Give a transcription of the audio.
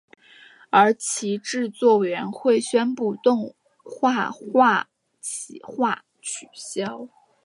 而其后制作委员会宣布动画化企划取消。